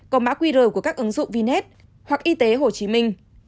có mã quy rời của các ứng dụng vnet hoặc y tế hồ chí minh